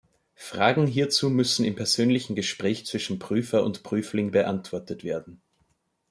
Fragen hierzu müssen im persönlichen Gespräch zwischen Prüfer und Prüfling beantwortet werden.